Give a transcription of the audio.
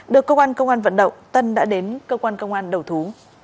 được công an vận động tân đã đến công an đầu thú